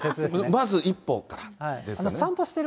まず一歩からですかね。